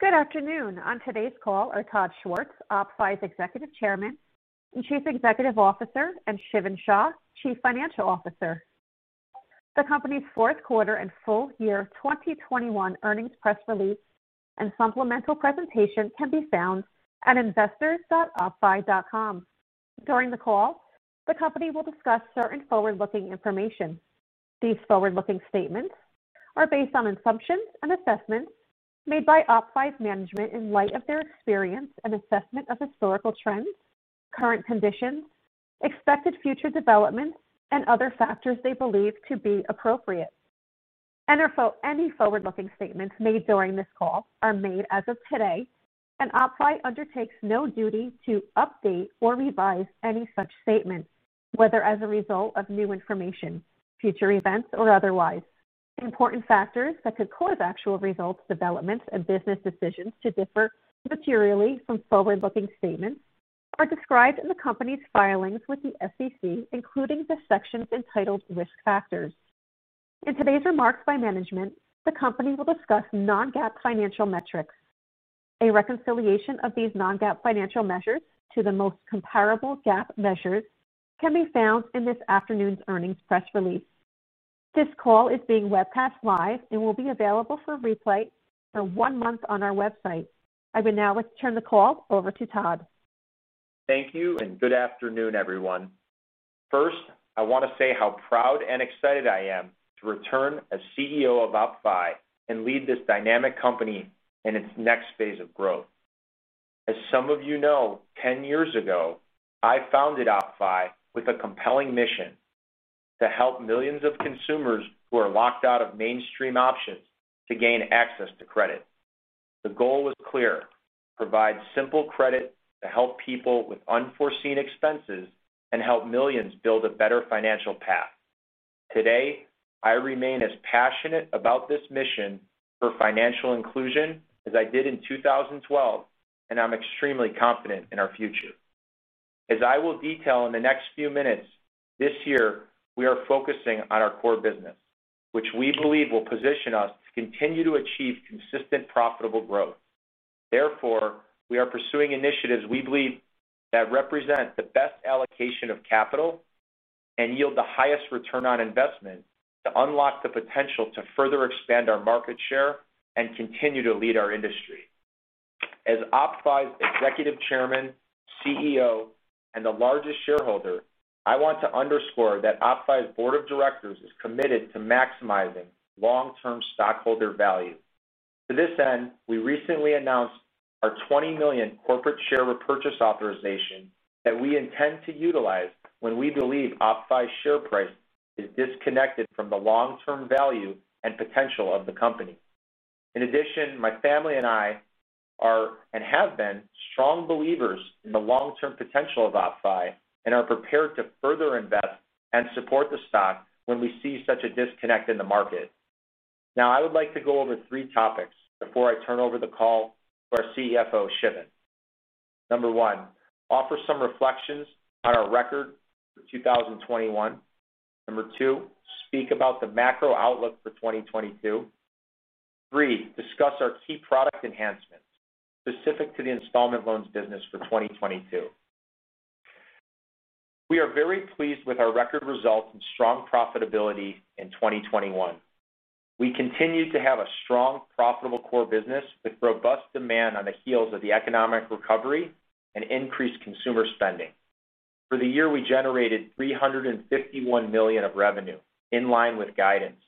Good afternoon. On today's call are Todd Schwartz, OppFi's Executive Chairman and Chief Executive Officer, and Shiven Shah, Chief Financial Officer. The company's fourth quarter and full year 2021 earnings press release and supplemental presentation can be found at investors.oppfi.com. During the call, the company will discuss certain forward-looking information. These forward-looking statements are based on assumptions and assessments made by OppFi's management in light of their experience and assessment of historical trends, current conditions, expected future developments, and other factors they believe to be appropriate. Any forward-looking statements made during this call are made as of today, and OppFi undertakes no duty to update or revise any such statements, whether as a result of new information, future events, or otherwise. Important factors that could cause actual results, developments, and business decisions to differ materially from forward-looking statements are described in the company's filings with the SEC, including the sections entitled Risk Factors. In today's remarks by management, the company will discuss non-GAAP financial metrics. A reconciliation of these non-GAAP financial measures to the most comparable GAAP measures can be found in this afternoon's earnings press release. This call is being webcast live and will be available for replay for one month on our website. I will now turn the call over to Todd. Thank you, and good afternoon, everyone. First, I want to say how proud and excited I am to return as CEO of OppFi and lead this dynamic company in its next phase of growth. As some of you know, 10 years ago, I founded OppFi with a compelling mission to help millions of consumers who are locked out of mainstream options to gain access to credit. The goal was clear, provide simple credit to help people with unforeseen expenses and help millions build a better financial path. Today, I remain as passionate about this mission for financial inclusion as I did in 2012, and I'm extremely confident in our future. As I will detail in the next few minutes, this year, we are focusing on our core business, which we believe will position us to continue to achieve consistent profitable growth. Therefore, we are pursuing initiatives we believe that represent the best allocation of capital and yield the highest return on investment to unlock the potential to further expand our market share and continue to lead our industry. As OppFi's Executive Chairman, CEO, and the largest shareholder, I want to underscore that OppFi's board of directors is committed to maximizing long-term stockholder value. To this end, we recently announced our $20 million corporate share repurchase authorization that we intend to utilize when we believe OppFi's share price is disconnected from the long-term value and potential of the company. In addition, my family and I are, and have been, strong believers in the long-term potential of OppFi and are prepared to further invest and support the stock when we see such a disconnect in the market. Now, I would like to go over three topics before I turn over the call to our CFO, Shiven. Number one, offer some reflections on our record for 2021. Number two, speak about the macro outlook for 2022. Three, discuss our key product enhancements specific to the installment loans business for 2022. We are very pleased with our record results and strong profitability in 2021. We continue to have a strong, profitable core business with robust demand on the heels of the economic recovery and increased consumer spending. For the year, we generated $351 million of revenue, in line with guidance,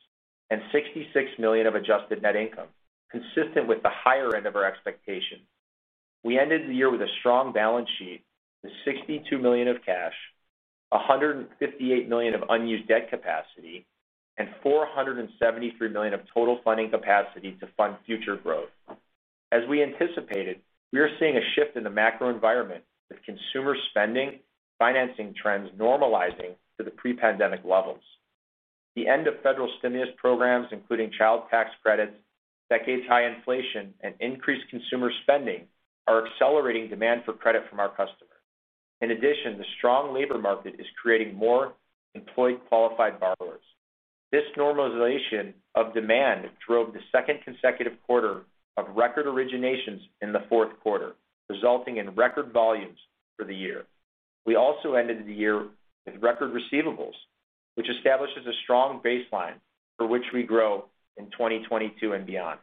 and $66 million of adjusted net income, consistent with the higher end of our expectations We ended the year with a strong balance sheet with $62 million of cash, $158 million of unused debt capacity, and $473 million of total funding capacity to fund future growth. As we anticipated, we are seeing a shift in the macro environment with consumer spending financing trends normalizing to the pre-pandemic levels. The end of federal stimulus programs, including Child Tax Credits, decades-high inflation, and increased consumer spending are accelerating demand for credit from our customers. In addition, the strong labor market is creating more employed qualified borrowers. This normalization of demand drove the second consecutive quarter of record originations in the fourth quarter, resulting in record volumes for the year. We also ended the year with record receivables, which establishes a strong baseline for which we grow in 2022 and beyond.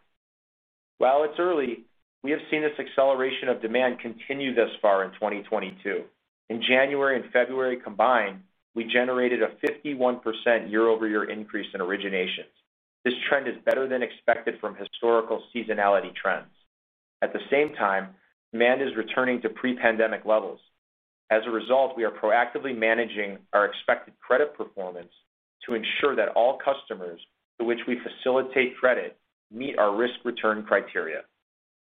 While it's early, we have seen this acceleration of demand continue thus far in 2022. In January and February combined, we generated a 51% year-over-year increase in originations. This trend is better than expected from historical seasonality trends. At the same time, demand is returning to pre-pandemic levels. As a result, we are proactively managing our expected credit performance to ensure that all customers to which we facilitate credit meet our risk-return criteria.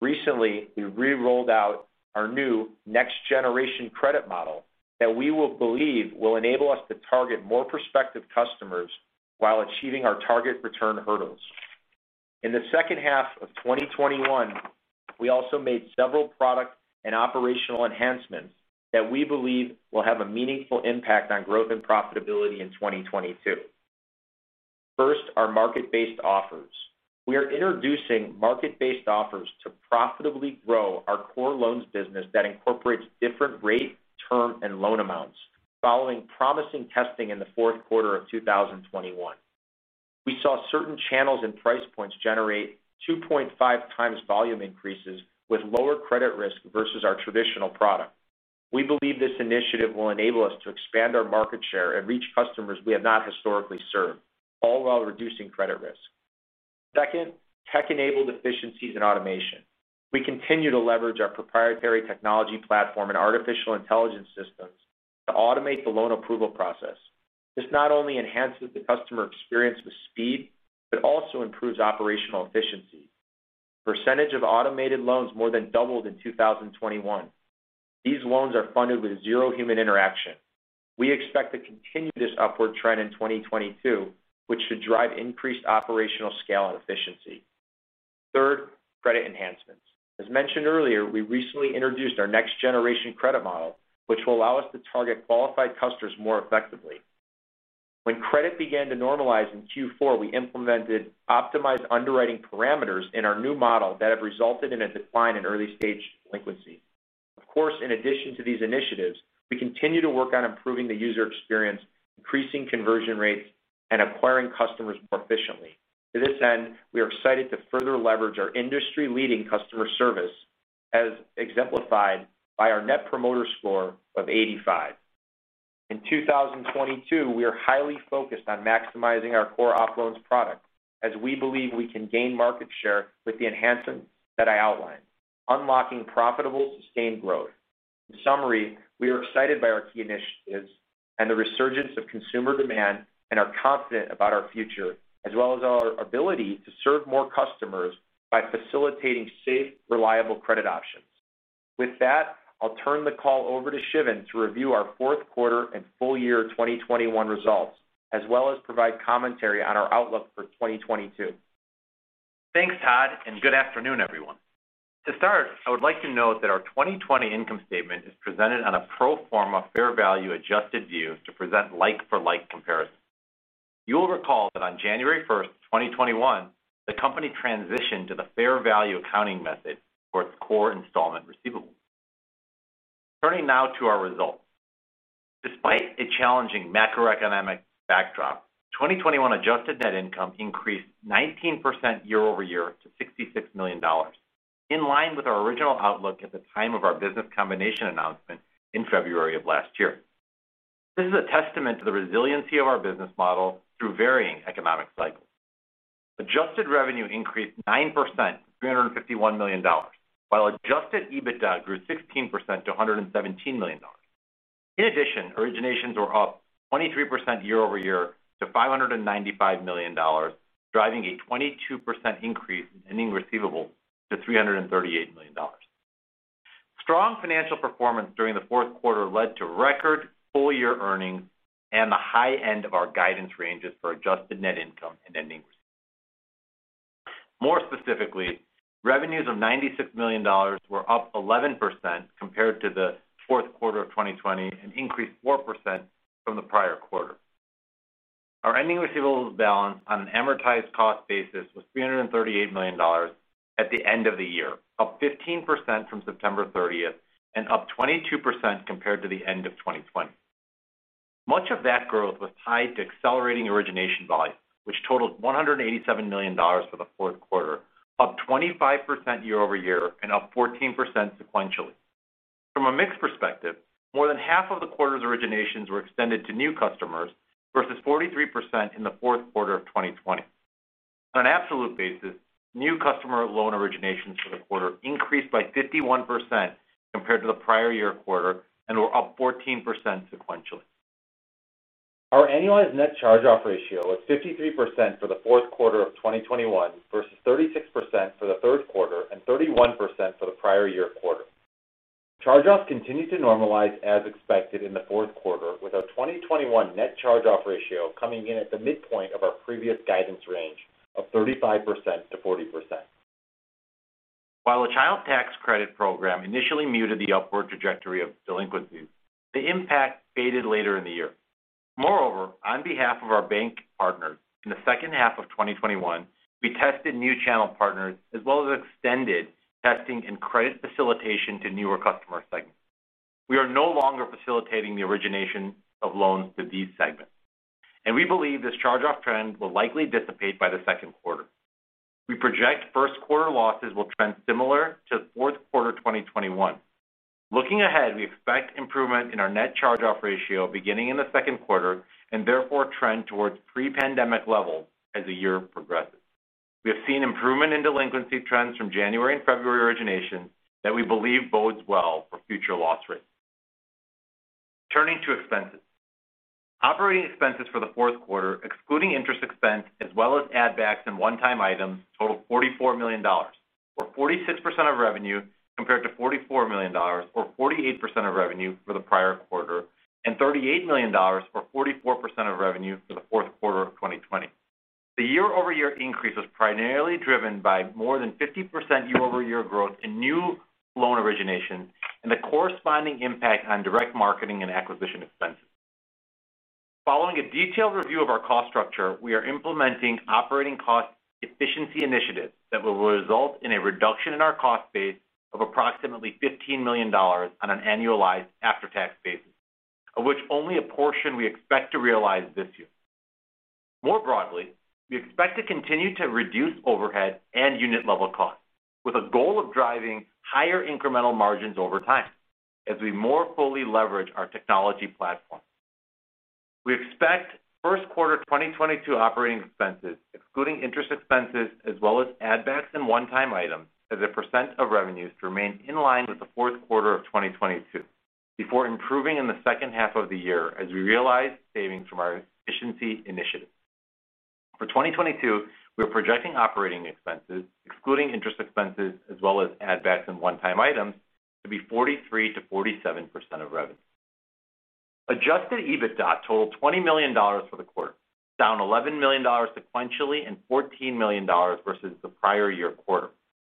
Recently, we re-rolled out our new next-generation credit model that we believe will enable us to target more prospective customers while achieving our target return hurdles. In the second half of 2021, we also made several product and operational enhancements that we believe will have a meaningful impact on growth and profitability in 2022. First, our Market-Based Offers. We are introducing market-based offers to profitably grow our core loans business that incorporates different rate, term, and loan amounts following promising testing in the fourth quarter of 2021. We saw certain channels and price points generate 2.5 times volume increases with lower credit risk versus our traditional product. We believe this initiative will enable us to expand our market share and reach customers we have not historically served, all while reducing credit risk. Second, tech-enabled efficiencies and automation. We continue to leverage our proprietary technology platform and artificial intelligence systems to automate the loan approval process. This not only enhances the customer experience with speed, but also improves operational efficiency. Percentage of automated loans more than doubled in 2021. These loans are funded with zero human interaction. We expect to continue this upward trend in 2022, which should drive increased operational scale and efficiency. Third, credit enhancements. As mentioned earlier, we recently introduced our next-generation credit model, which will allow us to target qualified customers more effectively. When credit began to normalize in Q4, we implemented optimized underwriting parameters in our new model that have resulted in a decline in early-stage delinquency. Of course, in addition to these initiatives, we continue to work on improving the user experience, increasing conversion rates, and acquiring customers more efficiently. To this end, we are excited to further leverage our industry-leading customer service as exemplified by our Net Promoter Score of 85. In 2022, we are highly focused on maximizing our core OppLoans product as we believe we can gain market share with the enhancements that I outlined, unlocking profitable sustained growth. In summary, we are excited by our key initiatives and the resurgence of consumer demand and are confident about our future, as well as our ability to serve more customers by facilitating safe, reliable credit options. With that, I'll turn the call over to Shiven to review our fourth quarter and full year 2021 results, as well as provide commentary on our outlook for 2022. Thanks, Todd, and good afternoon, everyone. To start, I would like to note that our 2020 income statement is presented on a pro forma fair value adjusted view to present like-for-like comparison. You will recall that on January 1, 2021, the company transitioned to the fair value accounting method for its core installment receivables. Turning now to our results. Despite a challenging macroeconomic backdrop, 2021 adjusted net income increased 19% year-over-year to $66 million, in line with our original outlook at the time of our business combination announcement in February of last year. This is a testament to the resiliency of our business model through varying economic cycles. Adjusted revenue increased 9% to $351 million, while adjusted EBITDA grew 16% to $117 million. In addition, originations were up 23% year-over-year to $595 million, driving a 22% increase in ending receivables to $338 million. Strong financial performance during the fourth quarter led to record full-year earnings and the high end of our guidance ranges for adjusted net income and ending receivables. More specifically, revenues of $96 million were up 11% compared to the fourth quarter of 2020 and increased 4% from the prior quarter. Our ending receivables balance on an amortized cost basis was $338 million at the end of the year, up 15% from September thirtieth and up 22% compared to the end of 2020. Much of that growth was tied to accelerating origination volume, which totaled $187 million for the fourth quarter, up 25% year over year and up 14% sequentially. From a mix perspective, more than half of the quarter's originations were extended to new customers versus 43% in the fourth quarter of 2020. On an absolute basis, new customer loan originations for the quarter increased by 51% compared to the prior year quarter and were up 14% sequentially. Our annualized net charge-off ratio was 53% for the fourth quarter of 2021 versus 36% for the third quarter and 31% for the prior year quarter. Charge-offs continued to normalize as expected in the fourth quarter with our 2021 net charge-off ratio coming in at the midpoint of our previous guidance range of 35% to 40%. While the Child Tax Credit program initially muted the upward trajectory of delinquencies, the impact faded later in the year. Moreover, on behalf of our bank partners, in the second half of 2021, we tested new channel partners as well as extended testing and credit facilitation to newer customer segments. We are no longer facilitating the origination of loans to these segments, and we believe this charge-off trend will likely dissipate by the second quarter. We project first-quarter losses will trend similar to fourth quarter 2021. Looking ahead, we expect improvement in our net charge-off ratio beginning in the second quarter and therefore trend towards pre-pandemic levels as the year progresses. We have seen improvement in delinquency trends from January and February originations that we believe bodes well for future loss rates. Turning to expenses. Operating expenses for the fourth quarter, excluding interest expense as well as add-backs and one-time items, totaled $44 million, or 46% of revenue compared to $44 million or 48% of revenue for the prior quarter and $38 million, or 44% of revenue for the fourth quarter of 2020. The year-over-year increase was primarily driven by more than 50% year-over-year growth in new loan originations and the corresponding impact on direct marketing and acquisition expenses. Following a detailed review of our cost structure, we are implementing operating cost efficiency initiatives that will result in a reduction in our cost base of approximately $15 million on an annualized after-tax basis, of which only a portion we expect to realize this year. More broadly, we expect to continue to reduce overhead and unit-level costs with a goal of driving higher incremental margins over time as we more fully leverage our technology platform. We expect first quarter 2022 operating expenses, excluding interest expenses as well as add-backs and one-time items as a percentage of revenues to remain in line with the fourth quarter of 2022 before improving in the second half of the year as we realize savings from our efficiency initiatives. For 2022, we are projecting operating expenses, excluding interest expenses as well as add-backs and one-time items, to be 43% to 47% of revenue. Adjusted EBITDA totaled $20 million for the quarter, down $11 million sequentially and $14 million versus the prior year quarter.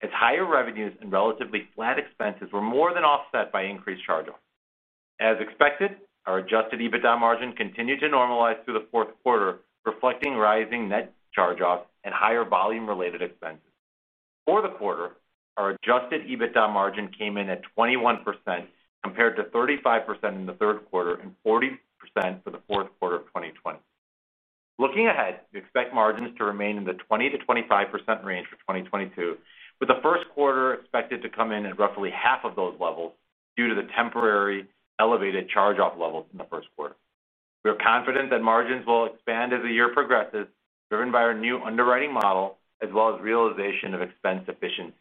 As higher revenues and relatively flat expenses were more than offset by increased charge-offs. As expected, our Adjusted EBITDA margin continued to normalize through the fourth quarter, reflecting rising net charge-offs and higher volume-related expenses. For the quarter, our Adjusted EBITDA margin came in at 21% compared to 35% in the third quarter and 40% for the fourth quarter of 2020. Looking ahead, we expect margins to remain in the 20% to 25% range for 2022, with the first quarter expected to come in at roughly half of those levels due to the temporary elevated charge-off levels in the first quarter. We are confident that margins will expand as the year progresses, driven by our new underwriting model as well as realization of expense efficiency.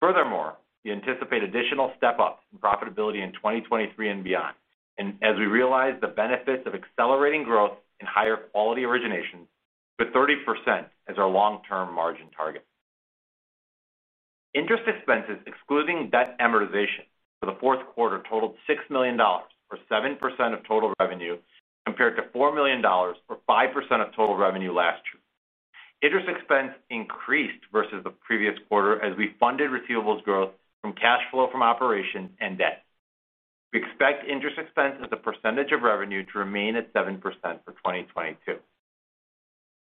Furthermore, we anticipate additional step-ups in profitability in 2023 and beyond. We realize the benefits of accelerating growth in higher quality originations with 30% as our long-term margin target. Interest expenses, excluding debt amortization for the fourth quarter totaled $6 million or 7% of total revenue compared to $4 million or 5% of total revenue last year. Interest expense increased versus the previous quarter as we funded receivables growth from cash flow from operations and debt. We expect interest expense as a percentage of revenue to remain at 7% for 2022.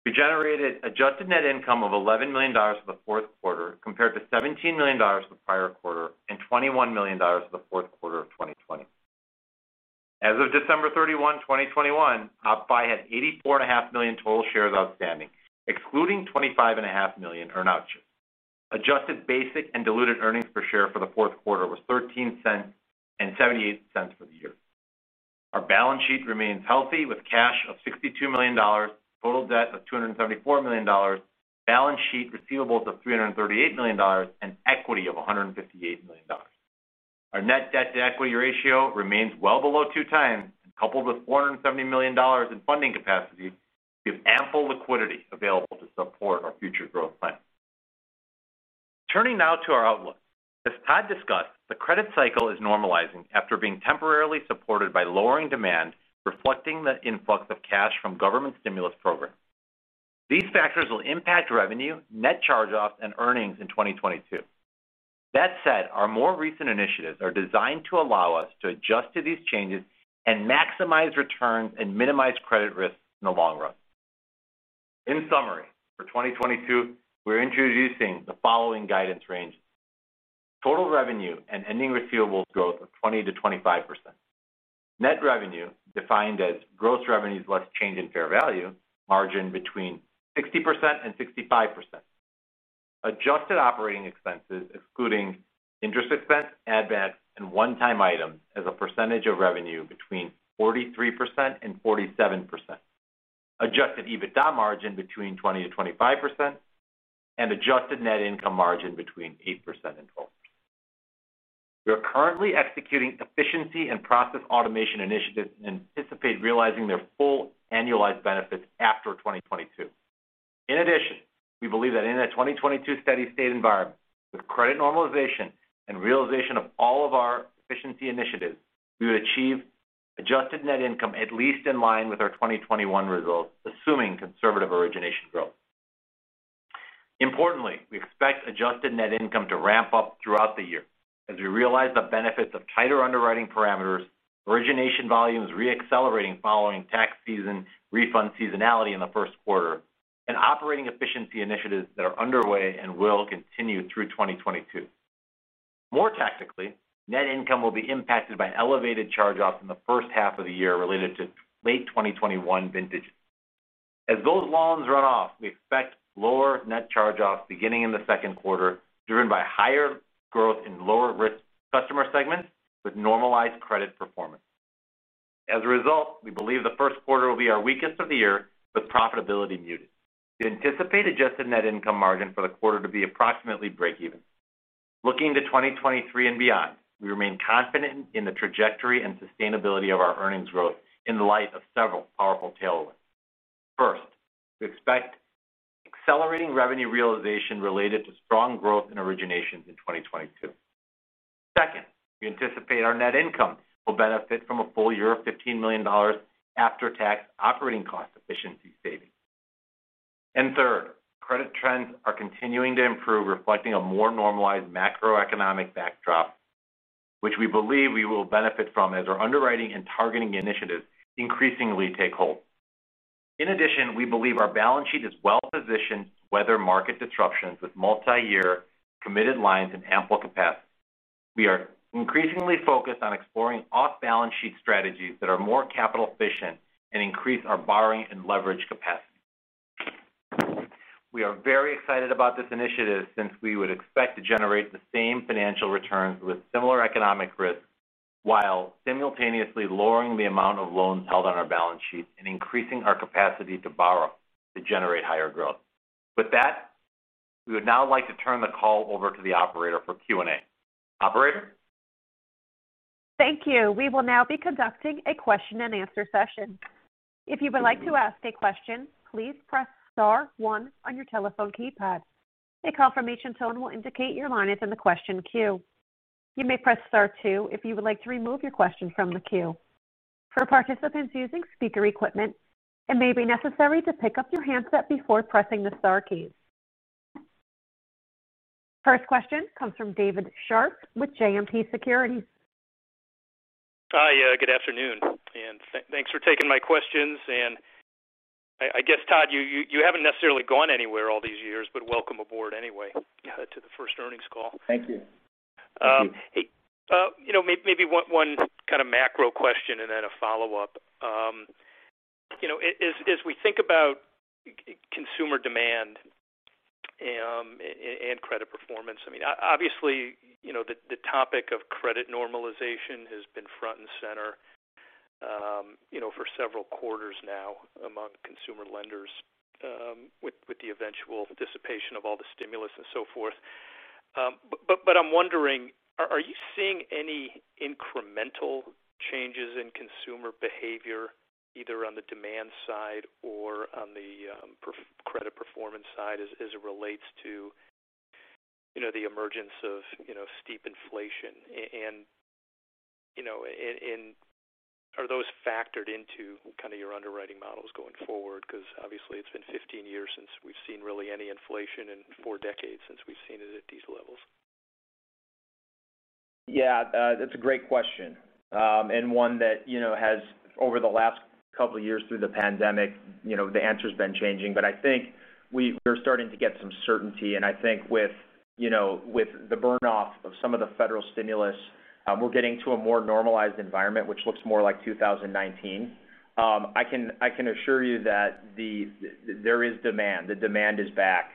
We generated adjusted net income of $11 million for the fourth quarter compared to $17 million the prior quarter and $21 million for the fourth quarter of 2020. As of December 31, 2021, OppFi had 84.5 million total shares outstanding, excluding 25.5 million earn outs. Adjusted basic and diluted earnings per share for the fourth quarter was $0.13 and $0.78 for the year. Our balance sheet remains healthy with cash of $62 million, total debt of $274 million, balance sheet receivables of $338 million, and equity of $158 million. Our net debt-to-equity ratio remains well below two times. Coupled with $470 million in funding capacity, we have ample liquidity available to support our future growth plans. Turning now to our outlook. As Todd discussed, the credit cycle is normalizing after being temporarily supported by lowering demand, reflecting the influx of cash from government stimulus programs. These factors will impact revenue, net charge-offs, and earnings in 2022. That said, our more recent initiatives are designed to allow us to adjust to these changes and maximize returns and minimize credit risks in the long run. In summary, for 2022, we're introducing the following guidance ranges. Total revenue and ending receivables growth of 20% to 25%. Net revenue, defined as gross revenues less change in fair value, margin between 60% to 65%. Adjusted operating expenses, excluding interest expense, add-backs, and one-time items as a percentage of revenue between 43% to 47%. Adjusted EBITDA margin between 20% to 25% and adjusted net income margin between 8% to 12%. We are currently executing efficiency and process automation initiatives and anticipate realizing their full annualized benefits after 2022. In addition, we believe that in a 2022 steady state environment with credit normalization and realization of all of our efficiency initiatives, we would achieve adjusted net income at least in line with our 2021 results, assuming conservative origination growth. Importantly, we expect adjusted net income to ramp up throughout the year as we realize the benefits of tighter underwriting parameters, origination volumes re-accelerating following tax season refund seasonality in the first quarter, and operating efficiency initiatives that are underway and will continue through 2022. More tactically, net income will be impacted by elevated charge-offs in the first half of the year related to late 2021 vintages. As those loans run off, we expect lower net charge-offs beginning in the second quarter, driven by higher growth in lower risk customer segments with normalized credit performance. As a result, we believe the first quarter will be our weakest of the year, with profitability muted. We anticipate adjusted net income margin for the quarter to be approximately break even. Looking to 2023 and beyond, we remain confident in the trajectory and sustainability of our earnings growth in light of several powerful tailwinds. First, we expect accelerating revenue realization related to strong growth in originations in 2022. Second, we anticipate our net income will benefit from a full year of $15 million after-tax operating cost efficiency savings. Third, credit trends are continuing to improve, reflecting a more normalized macroeconomic backdrop, which we believe we will benefit from as our underwriting and targeting initiatives increasingly take hold. In addition, we believe our balance sheet is well-positioned to weather market disruptions with multiyear committed lines and ample capacity. We are increasingly focused on exploring off-balance sheet strategies that are more capital efficient and increase our borrowing and leverage capacity. We are very excited about this initiative since we would expect to generate the same financial returns with similar economic risks while simultaneously lowering the amount of loans held on our balance sheet and increasing our capacity to borrow to generate higher growth. With that, we would now like to turn the call over to the operator for Q&A. Operator? Thank you. We will now be conducting a question-and-answer session. If you would like to ask a question, please press star one on your telephone keypad. A confirmation tone will indicate your line is in the question queue. You may press star two if you would like to remove your question from the queue. For participants using speaker equipment, it may be necessary to pick up your handset before pressing the star keys. First question comes from David Scharf with JMP Securities. Hi. Yeah, good afternoon, and thanks for taking my questions. I guess, Todd, you haven't necessarily gone anywhere all these years, but welcome aboard anyway, to the first earnings call. Thank you. Thank you. Hey, you know, maybe one kind of macro question and then a follow-up. You know, as we think about consumer demand and credit performance, I mean, obviously, you know, the topic of credit normalization has been front and center, you know, for several quarters now among consumer lenders, with the eventual dissipation of all the stimulus and so forth. I'm wondering, are you seeing any incremental changes in consumer behavior, either on the demand side or on the credit performance side as it relates to, you know, the emergence of, you know, steep inflation? And, you know, are those factored into kind of your underwriting models going forward? 'Cause obviously it's been 15 years since we've seen really any inflation, and four decades since we've seen it at these levels. Yeah. That's a great question, and one that, you know, has over the last couple of years through the pandemic, you know, the answer's been changing. I think we're starting to get some certainty. I think with, you know, with the burn-off of some of the federal stimulus, we're getting to a more normalized environment, which looks more like 2019. I can assure you that there is demand. The demand is back.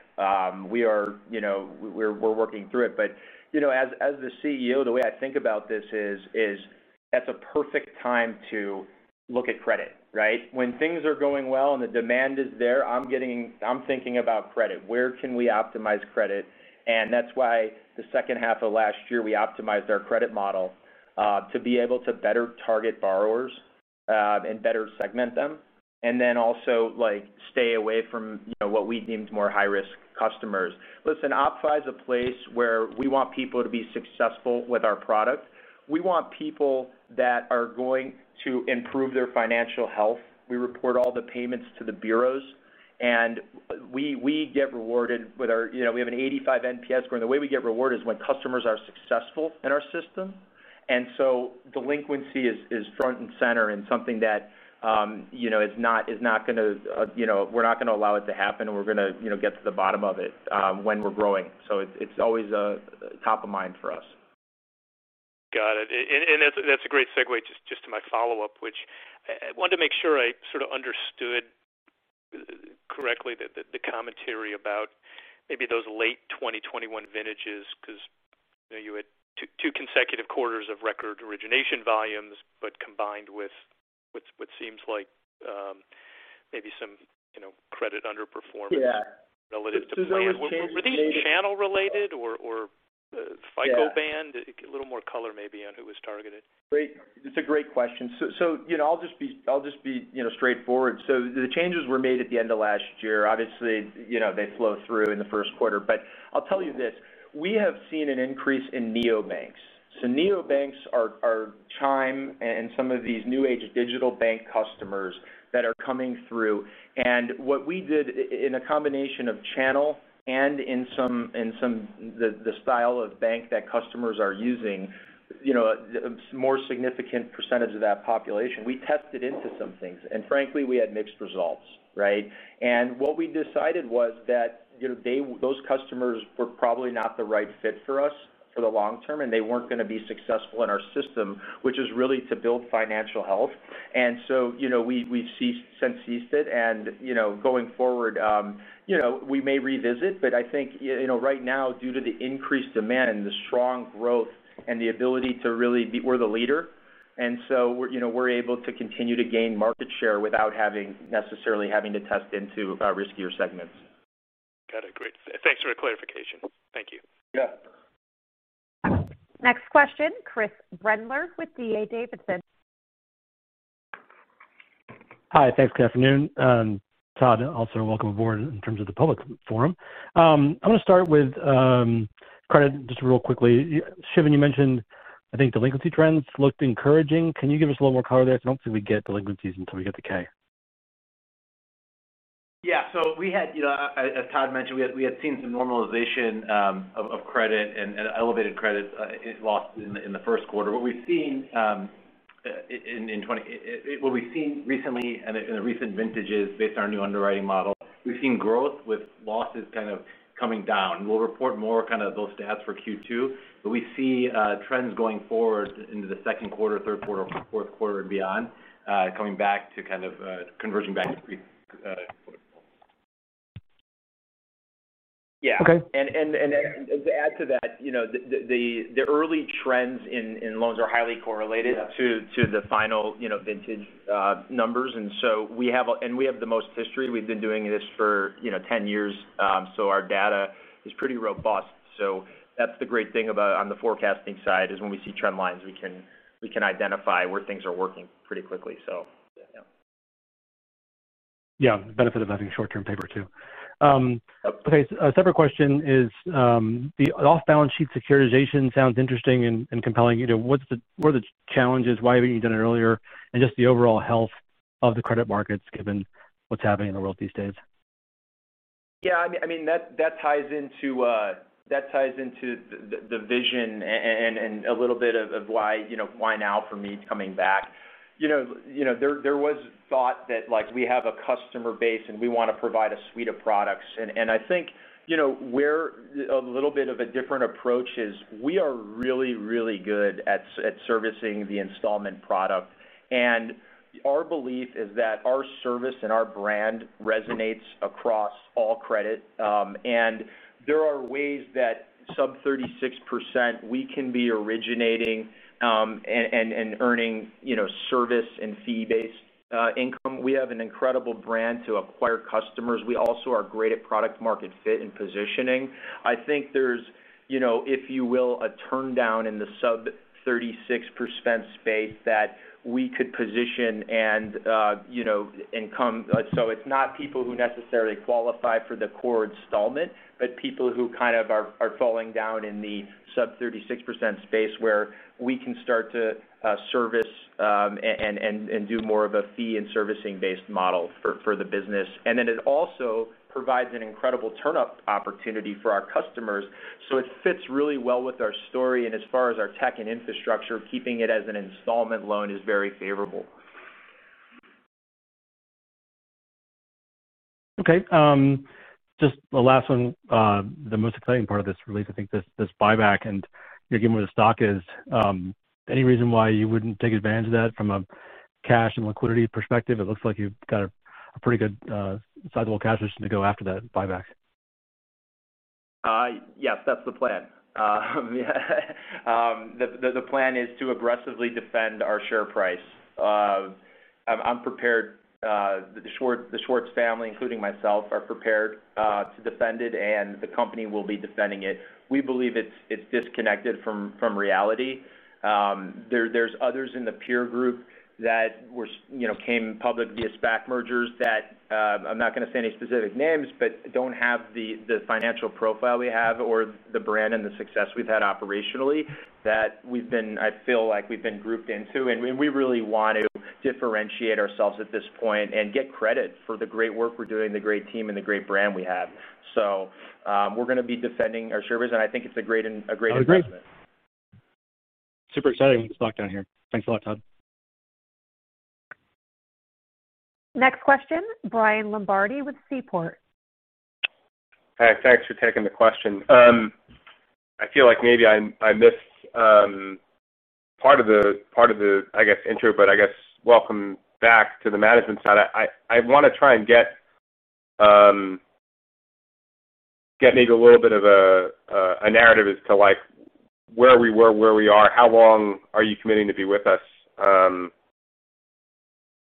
We are, you know, working through it. You know, as the CEO, the way I think about this is that's a perfect time to look at credit, right? When things are going well and the demand is there, I'm thinking about credit. Where can we optimize credit? That's why the second half of last year, we optimized our credit model to be able to better target borrowers and better segment them, and then also, like, stay away from, you know, what we deemed more high-risk customers. Listen, OppFi is a place where we want people to be successful with our product. We want people that are going to improve their financial health. We report all the payments to the bureaus, and we get rewarded with our. You know, we have an 85 NPS score, and the way we get rewarded is when customers are successful in our system. Delinquency is front and center and something that, you know, is not gonna, you know, we're not gonna allow it to happen, and we're gonna, you know, get to the bottom of it when we're growing. It's always top of mind for us. Got it. That's a great segue just to my follow-up. Which I wanted to make sure I sort of understood correctly the commentary about maybe those late 2021 vintages, because, you know, you had two consecutive quarters of record origination volumes, but combined with what seems like, maybe some, you know, credit underperformance. Yeah. Relative to plan. Were these channel related or FICO band? A little more color maybe on who was targeted. Great. It's a great question. You know, I'll just be straightforward. The changes were made at the end of last year. Obviously, you know, they flow through in the first quarter. I'll tell you this. We have seen an increase in neobanks. Neobanks are Chime and some of these new age digital bank customers that are coming through. What we did in a combination of channel and in some the style of bank that customers are using, you know, a more significant percentage of that population. We tested into some things, and frankly, we had mixed results, right? What we decided was that, you know, those customers were probably not the right fit for us for the long term, and they weren't going to be successful in our system, which is really to build financial health. You know, we've since ceased it. You know, going forward, you know, we may revisit. I think, you know, right now, due to the increased demand and the strong growth and the ability to really we're the leader, and so, you know, we're able to continue to gain market share without necessarily having to test into riskier segments. Got it. Great. Thanks for the clarification. Thank you. Yeah. Next question, Chris Brendler with D.A. Davidson. Hi. Thanks. Good afternoon. Todd, also welcome aboard in terms of the public forum. I'm gonna start with credit just real quickly. Shiven, you mentioned I think delinquency trends looked encouraging. Can you give us a little more color there? Because I don't think we get delinquencies until we get the K. Yeah. We had, you know, as Todd mentioned, we had seen some normalization of credit and elevated credit losses in the first quarter. What we've seen recently and in the recent vintages based on our new underwriting model, we've seen growth with losses kind of coming down. We'll report more kind of those stats for Q2, but we see trends going forward into the second quarter, third quarter, fourth quarter and beyond, coming back to kind of converging back to pre-. Okay. Yeah. To add to that, you know, the early trends in loans are highly correlated, Yeah to the final, you know, vintage numbers. We have the most history. We've been doing this for, you know, 10 years, so our data is pretty robust. That's the great thing about on the forecasting side is when we see trend lines, we can identify where things are working pretty quickly. Yeah. Yeah. The benefit of having short-term paper too. Yep. Okay. A separate question is, the off-balance sheet securitization sounds interesting and compelling. You know, what are the challenges? Why haven't you done it earlier? Just the overall health of the credit markets, given what's happening in the world these days. Yeah, I mean, that ties into the vision and a little bit of why, you know, why now for me coming back. You know, there was thought that, like, we have a customer base and we wanna provide a suite of products. I think, you know, we're a little bit of a different approach is we are really good at servicing the installment product. Our belief is that our service and our brand resonates across all credit, and there are ways that sub-36% we can be originating, and earning, you know, service and fee-based income. We have an incredible brand to acquire customers. We also are great at product market fit and positioning. I think there's, you know, if you will, a turn down in the sub-36% space that we could position and, you know, and come. It's not people who necessarily qualify for the core installment, but people who kind of are falling down in the sub-36% space where we can start to service and do more of a fee and servicing-based model for the business. It also provides an incredible turn-up opportunity for our customers. It fits really well with our story. As far as our tech and infrastructure, keeping it as an installment loan is very favorable. Okay. Just the last one, the most exciting part of this release, I think this buyback and, you know, given where the stock is. Any reason why you wouldn't take advantage of that from a cash and liquidity perspective? It looks like you've got a pretty good sizable cash position to go after that buyback. Yes, that's the plan. Yeah. The plan is to aggressively defend our share price. I'm prepared, the Schwartz family, including myself, are prepared to defend it, and the company will be defending it. We believe it's disconnected from reality. There are others in the peer group that were, you know, came public via SPAC mergers that I'm not gonna say any specific names, but don't have the financial profile we have or the brand and the success we've had operationally I feel like we've been grouped into. We really want to differentiate ourselves at this point and get credit for the great work we're doing, the great team and the great brand we have. We're gonna be defending our shares, and I think it's a great investment. I agree. Super exciting with the stock down here. Thanks a lot, Todd. Next question, Brian Lombardi with Seaport. Hi. Thanks for taking the question. I feel like maybe I missed part of the, I guess, intro, but I guess welcome back to the management side. I wanna try and get maybe a little bit of a narrative as to, like, where we were, where we are, how long are you committing to be with us.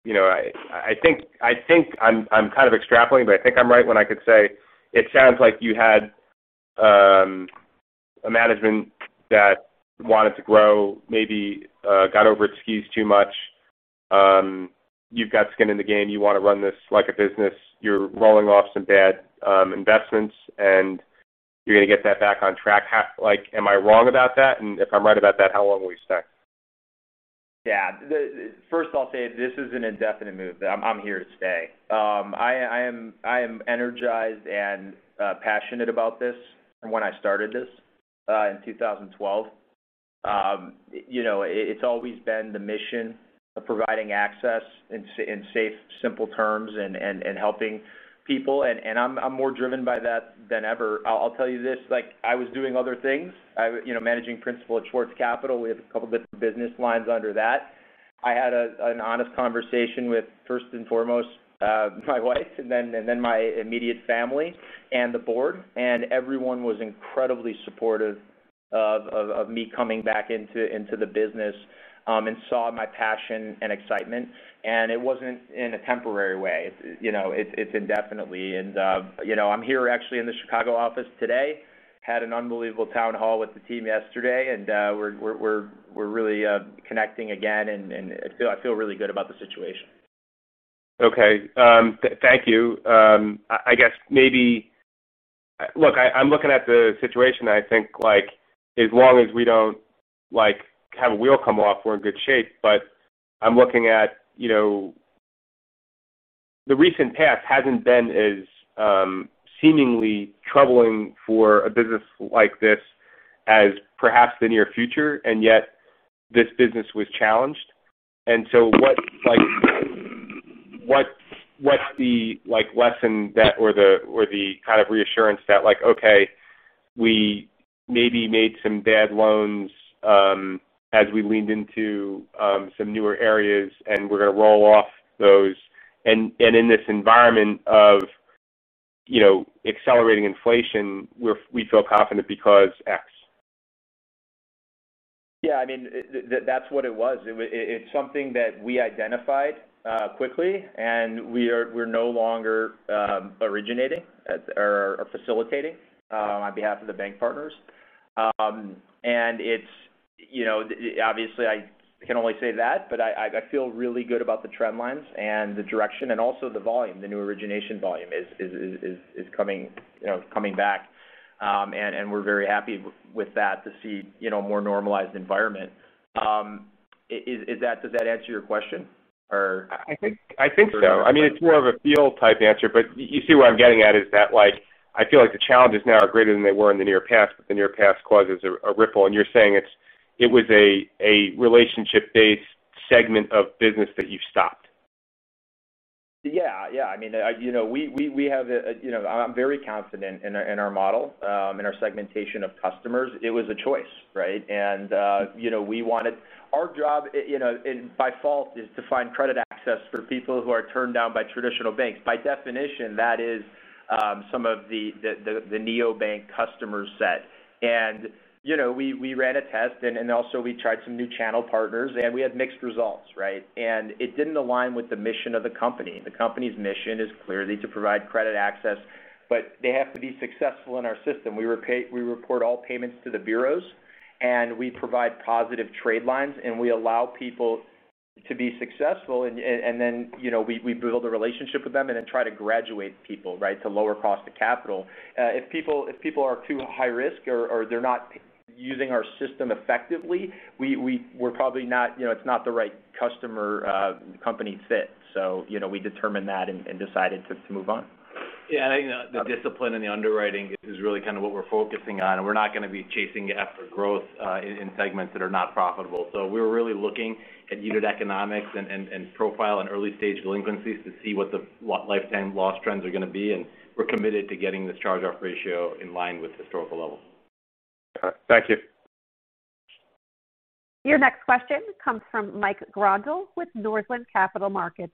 You know, I think I'm kind of extrapolating, but I think I'm right when I could say it sounds like you had a management that wanted to grow maybe, got over its skis too much. You've got skin in the game. You wanna run this like a business. You're rolling off some bad investments, and you're gonna get that back on track. Like, am I wrong about that? If I'm right about that, how long will we expect? Yeah. First of all, I'll say this is an indefinite move, that I'm here to stay. I am energized and passionate about this from when I started this in 2012. You know, it's always been the mission of providing access in safe, simple terms and helping people. I'm more driven by that than ever. I'll tell you this, like, I was doing other things. You know, managing principal at Schwartz Capital. We have a couple different business lines under that. I had an honest conversation with first and foremost my wife and then my immediate family and the board, and everyone was incredibly supportive of me coming back into the business and saw my passion and excitement. It wasn't in a temporary way. It's indefinitely. I'm here actually in the Chicago office today. I had an unbelievable town hall with the team yesterday, and we're really connecting again, and I feel really good about the situation. Okay. Thank you. I guess maybe look, I'm looking at the situation. I think like as long as we don't like have a wheel come off, we're in good shape. I'm looking at, you know, the recent past hasn't been as seemingly troubling for a business like this as perhaps the near future, yet this business was challenged. What, what's the lesson that or the kind of reassurance that like, okay, we maybe made some bad loans as we leaned into some newer areas and we're gonna roll off those. In this environment of, you know, accelerating inflation, we feel confident because X. Yeah, I mean, that's what it was. It's something that we identified quickly, and we're no longer originating or facilitating on behalf of the bank partners. It's, you know, obviously, I can only say that, but I feel really good about the trend lines and the direction and also the volume, the new origination volume is coming, you know, coming back. And we're very happy with that to see, you know, a more normalized environment. Is that? Does that answer your question or? I think so. I mean, it's more of a feel type answer, but you see what I'm getting at is that, like, I feel like the challenges now are greater than they were in the near past, but the near past causes a ripple. You're saying it was a relationship-based segment of business that you've stopped. Yeah. Yeah. I mean, you know, we have a. You know, I'm very confident in our model, in our segmentation of customers. It was a choice, right? You know, we wanted. Our job, you know, and by default is to find credit access for people who are turned down by traditional banks. By definition, that is some of the neobank customer set. You know, we ran a test and also we tried some new channel partners, and we had mixed results, right? It didn't align with the mission of the company. The company's mission is clearly to provide credit access, but they have to be successful in our system. We report all payments to the bureaus, and we provide positive trade lines, and we allow people to be successful. Then, you know, we build a relationship with them and then try to graduate people, right, to lower cost of capital. If people are too high risk or they're not using our system effectively, we're probably not, you know, it's not the right customer company fit. You know, we determined that and decided to move on. Yeah. I think the discipline in the underwriting is really kind of what we're focusing on. We're not gonna be chasing after growth in segments that are not profitable. We're really looking at unit economics and profile and early-stage delinquencies to see what the lifetime loss trends are gonna be. We're committed to getting this charge-off ratio in line with historical levels. All right. Thank you. Your next question comes from Mike Grondahl with Northland Capital Markets.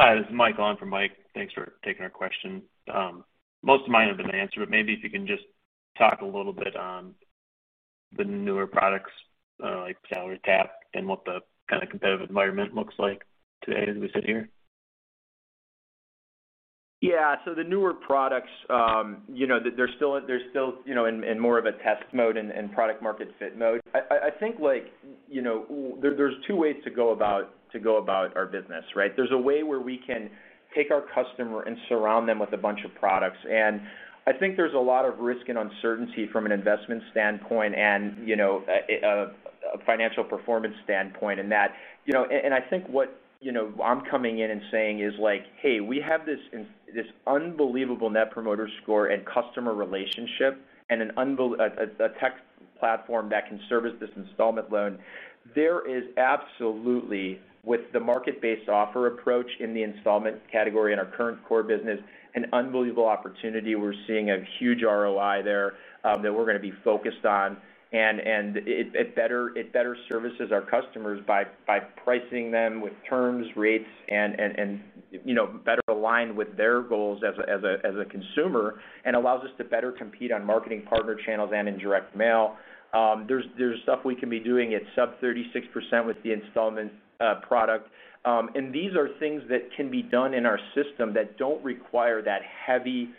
Hi, this is Mike on for Mike. Thanks for taking our question. Most of mine have been answered, but maybe if you can just talk a little bit on the newer products, like SalaryTap and what the kinda competitive environment looks like today as we sit here. Yeah. The newer products, you know, they're still, you know, in more of a test mode and product market fit mode. I think like, you know, there's two ways to go about our business, right? There's a way where we can take our customer and surround them with a bunch of products. I think there's a lot of risk and uncertainty from an investment standpoint and, you know, a financial performance standpoint. I think what I'm coming in and saying is like, "Hey, we have this unbelievable Net Promoter Score and customer relationship and an unbelievable tech platform that can service this installment loan." There is absolutely, with the market-based offer approach in the installment category in our current core business, an unbelievable opportunity. We're seeing a huge ROI there that we're gonna be focused on. It better services our customers by pricing them with terms, rates, and you know, better aligned with their goals as a consumer, and allows us to better compete on marketing partner channels and in direct mail. There's stuff we can be doing at sub-36% with the installment product. These are things that can be done in our system that don't require that heavy,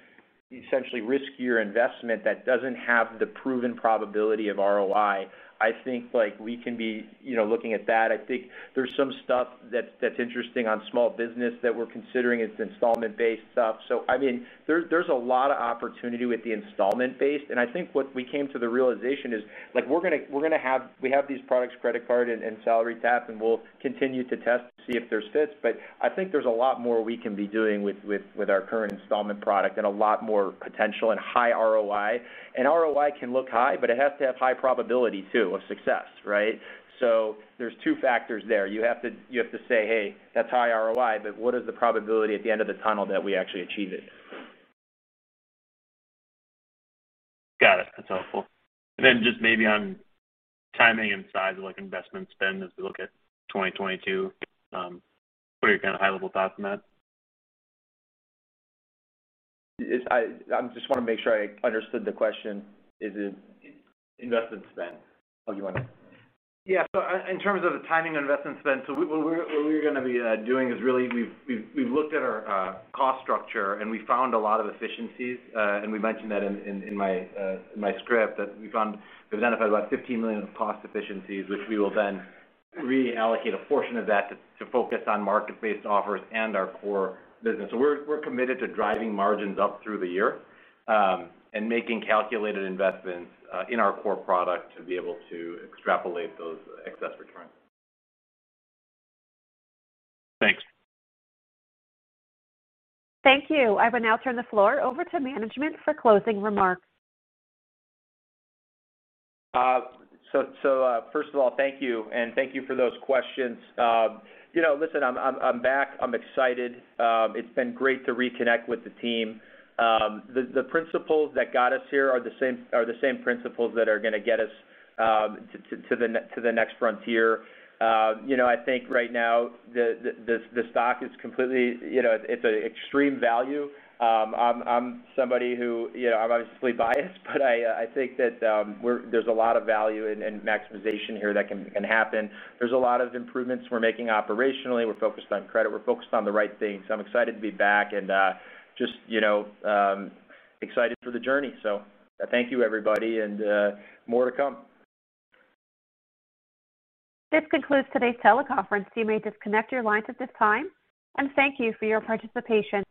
essentially riskier investment that doesn't have the proven probability of ROI. I think, like, we can be you know, looking at that. I think there's some stuff that's interesting on small business that we're considering. It's installment-based stuff. I mean, there's a lot of opportunity with the installment-based. I think what we came to the realization is, like, we have these products, credit card and SalaryTap, and we'll continue to test to see if there's fits. I think there's a lot more we can be doing with our current installment product and a lot more potential and high ROI. ROI can look high, but it has to have high probability too of success, right? There's two factors there. You have to say, "Hey, that's high ROI, but what is the probability at the end of the tunnel that we actually achieve it? Got it. That's helpful. Just maybe on timing and size of, like, investment spend as we look at 2022, what are your kinda high-level thoughts on that? I just wanna make sure I understood the question. Is it, Investment spend. In terms of the timing of investment spend, what we're gonna be doing is really we've looked at our cost structure and we found a lot of efficiencies. We mentioned that in my script that we've identified about $15 million of cost efficiencies, which we will then reallocate a portion of that to focus on market-based offers and our core business. We're committed to driving margins up through the year and making calculated investments in our core product to be able to extrapolate those excess returns. Thanks. Thank you. I will now turn the floor over to management for closing remarks. First of all, thank you, and thank you for those questions. You know, listen, I'm back. I'm excited. It's been great to reconnect with the team. The principles that got us here are the same principles that are gonna get us to the next frontier. You know, I think right now the stock is completely, you know, it's an extreme value. I'm somebody who, you know, I'm obviously biased, but I think that there's a lot of value and maximization here that can happen. There's a lot of improvements we're making operationally. We're focused on credit. We're focused on the right things. I'm excited to be back and just, you know, excited for the journey. Thank you everybody, and more to come. This concludes today's teleconference. You may disconnect your lines at this time, and thank you for your participation.